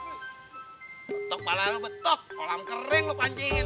betok malah lu betok kolam kering lu pancingin